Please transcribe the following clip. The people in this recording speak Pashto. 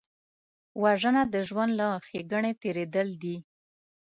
وژنه د ژوند له ښېګڼې تېرېدل دي